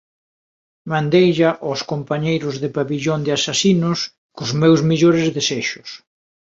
Mandeilla ós compañeiros do Pavillón de Asasinos cos meus mellores desexos.